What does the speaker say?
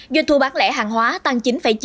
doanh thu bán lẻ hàng hóa tăng chín chín